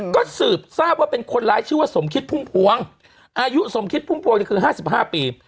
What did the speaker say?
ก็สืบทราบว่าเป็นคนร้ายชื่อว่าสมภิษภูมิภวงอายุสมภิษภูมิภวงนี่คือ๕๕ปี